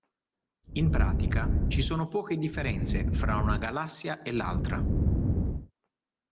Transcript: In pratica, ci sono poche differenze fra una galassia e l'altra.